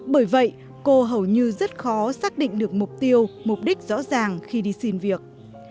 bởi vậy cô hầu như rất khó xác định được mục tiêu mục đích rõ ràng khi đi xin việc